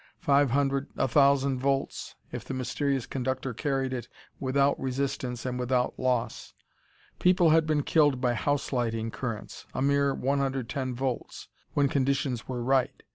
Five hundred a thousand volts if the mysterious conductor carried it without resistance and without loss. People had been killed by house lighting currents a mere 110 volts when conditions were right.